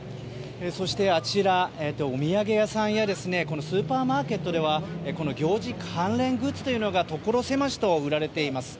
そして、お土産屋さんやスーパーマーケットではこの行事関連グッズが所狭しと売られています。